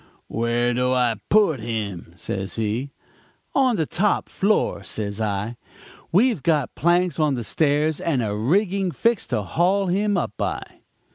"'Where do I put him?' says he. "'On the top floor,' says I. 'We've got planks on the stairs and a rigging fixed to haul him up by.'